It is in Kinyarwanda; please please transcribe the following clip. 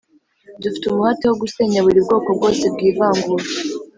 dufite umuhate wo gusenya buri bwoko bwose bwivangura